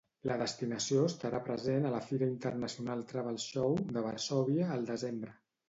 La destinació estarà present a la Fira Internacional Travel Show de Varsòvia al desembre.